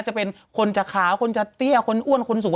จะเป็นคนจะขาวคนจะเตี้ยคนอ้วนคนสูง